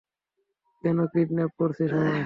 কেন কিডন্যাপ করেছিস আমায়?